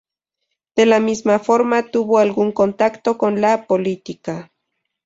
De la misma forma tuvo algún contacto con la política.